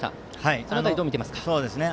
その辺り、どう見ていますか。